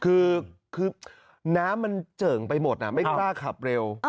คือน้ำมันเจิ่งไปหมดไม่กล้าขับเร็ว